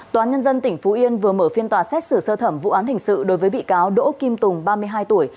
tòa nhân dân tỉnh phú yên vừa mở phiên tòa xét xử sơ thẩm vụ án hình sự đối với bị cáo đỗ kim tùng ba mươi hai tuổi